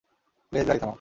Please, গাড়ি থামাও!